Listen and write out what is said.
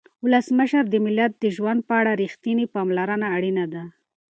ولسمشره د ملت د ژوند په اړه رښتینې پاملرنه اړینه ده.